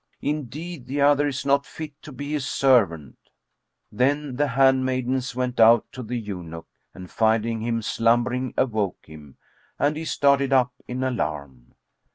Indeed, the other is not fit to be his servant."[FN#16] Then the handmaidens went out to the eunuch, and finding him slumbering awoke him, and he started up in alarm.